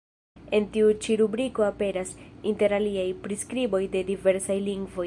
En tiu ĉi rubriko aperas, inter aliaj, priskriboj de diversaj lingvoj.